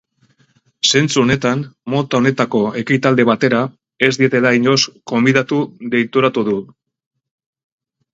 Zentzu honetan, mota honetako ekitaldi batera ez dietela inoiz gonbidatu deitoratu du.